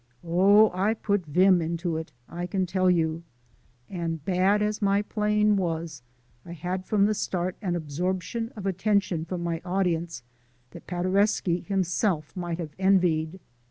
Oh, I put vim into it, I can tell you! And bad as my playing was, I had from the start an absorption of attention from my audience that Paderewski himself might have envied.